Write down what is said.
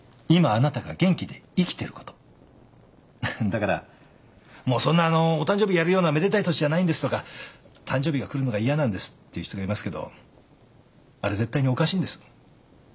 だからもうそんなお誕生日やるようなめでたい年じゃないんですとか誕生日が来るのが嫌なんですっていう人がいますけどあれ絶対におかしいんです。